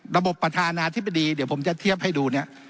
ประธานาธิบดีเดี๋ยวผมจะเทียบให้ดูเนี่ย